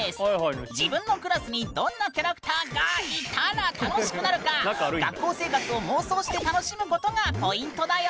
自分のクラスにどんなキャラクターがいたら楽しくなるか学校生活を妄想して楽しむことがポイントだよ！